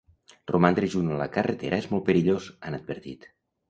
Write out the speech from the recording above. Romandre junt a la carretera és molt perillós, han advertit.